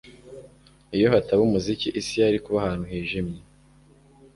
Iyo hataba umuziki isi yari kuba ahantu hijimye